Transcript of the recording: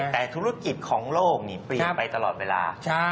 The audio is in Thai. แต่ธุรกิจของโลกนี่เปลี่ยนไปตลอดเวลา